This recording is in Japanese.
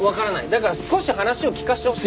だから少し話を聞かせてほしくて。